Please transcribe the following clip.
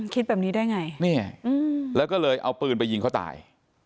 คิดแบบนี้ได้ไงแล้วก็เลยเอาปืนไปยิงเขาตาย